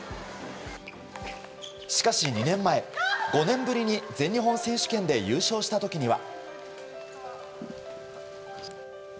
しかし、２年前５年ぶりに全日本選手権で優勝した時には。